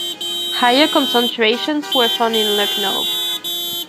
Higher concentrations were found in Lucknow.